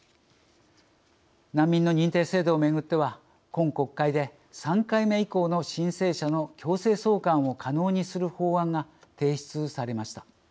難民の認定制度をめぐっては今国会で３回目以降の申請者の強制送還を可能にする法案が提出されました。